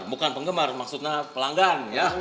bukan penggemar maksudnya pelanggan ya